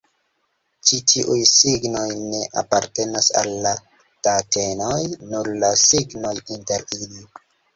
Ĉi tiuj signoj ne apartenas al la datenoj, nur la signoj inter ili.